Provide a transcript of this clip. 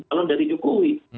calon dari jokowi